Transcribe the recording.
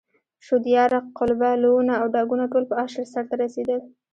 شودیاره، قلبه، لوونه او ډاګونه ټول په اشر سرته رسېدل.